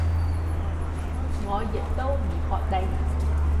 我亦都唔確定